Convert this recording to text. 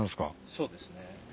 そうですね。